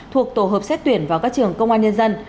thuộc tổ hợp xét tuyển vào các trường công an nhân dân